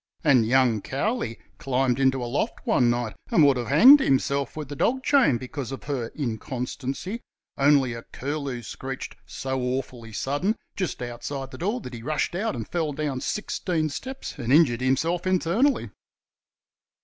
And young Cowley climbed into a loft one night and would have hanged himself with the dog chain because of her inconstancy, only a curlew screeched "so awfully sudden" just outside the door that he rushed out and fell down sixteen steps and "injured himself internally".